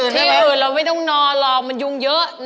มีปล่องลงมาด้วย